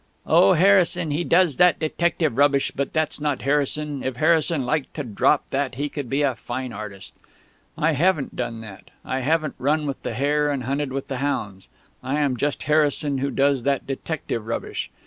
'Oh, Harrison; he does that detective rubbish, but that's not Harrison; if Harrison liked to drop that he could be a fine artist!' I haven't done that. I haven't run with the hare and hunted with the hounds. I am just Harrison, who does that detective rubbish!...